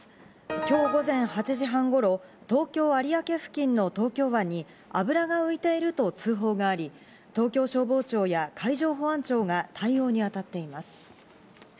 今日午前８時半頃、東京・有明付近の東京湾に油が浮いていると通報があり、東京消防庁や海上保安庁が対応にあたっています。